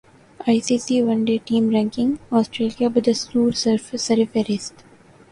I C C one day team ranking Australia بدستورسرفہرست